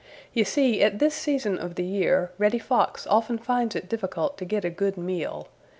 You see, at this season of the year, Reddy Fox often finds it difficult to get a good meal.